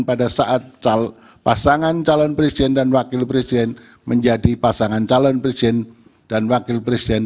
pada saat pasangan calon presiden dan wakil presiden menjadi pasangan calon presiden dan wakil presiden